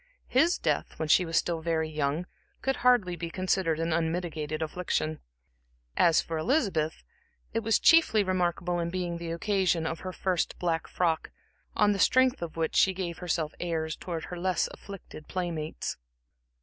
His death, when she was still very young, could hardly be considered an unmitigated affliction. As for Elizabeth, it was chiefly remarkable in being the occasion of her first black frock, on the strength of which she gave herself airs towards her less afflicted playmates.